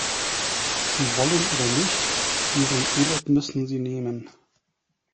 Ob Sie wollen oder nicht, Ihren Urlaub müssen Sie nehmen.